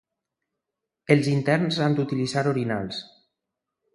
Els interns han d'utilitzar orinals.